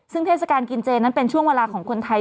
ซึ่งเทศกาลกินเจนั้นเป็นช่วงเวลาของคนไทย